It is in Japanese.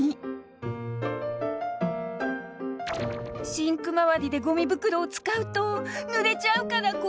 シンク周りでゴミ袋を使うと濡れちゃうから困る